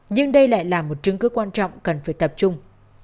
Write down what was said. nhưng đây lại là một chứng cứ quan trọng cần phải tập trung